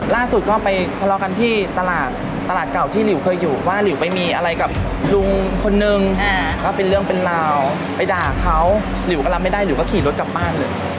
ล่าสุดก็ไปทะเลาะกันที่ตลาดตลาดเก่าที่หลิวเคยอยู่ว่าหลิวไปมีอะไรกับลุงคนนึงก็เป็นเรื่องเป็นราวไปด่าเขาหลิวก็รับไม่ได้หลิวก็ขี่รถกลับบ้านเลย